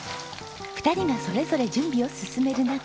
２人がそれぞれ準備を進める中。